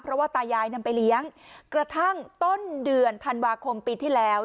เพราะว่าตายายนำไปเลี้ยงกระทั่งต้นเดือนธันวาคมปีที่แล้ว